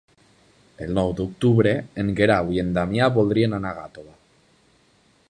El nou d'octubre en Guerau i en Damià voldrien anar a Gàtova.